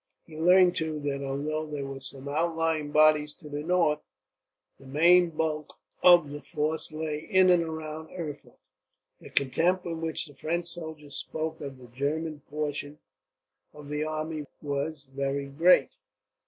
He learned, too, that although there were some outlying bodies to the north, the main bulk of the force lay in and around Erfurt. The contempt with which the French soldiers spoke of the German portion of the army was very great.